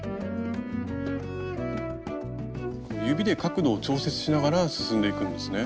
指で角度を調節しながら進んでいくんですね。